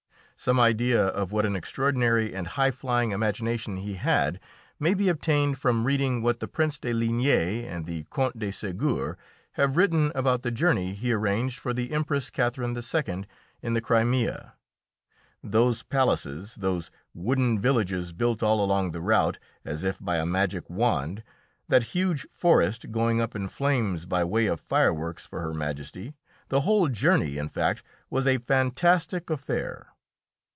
Some idea of what an extraordinary and high flying imagination he had may be obtained from reading what the Prince de Ligne and the Count de Ségur have written about the journey he arranged for the Empress Catherine II. in the Crimea; those palaces, those wooden villages built all along the route, as if by a magic wand, that huge forest going up in flames by way of fireworks for Her Majesty the whole journey, in fact, was a fantastic affair.